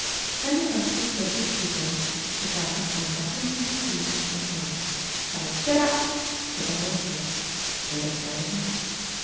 When the bus was filled with people, the driver climbed up into his seat in front, cried *'Gedap! to the horses, and they started off.